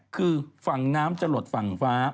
คือฝั่งน้ำจะหลดฝั่งฟ้า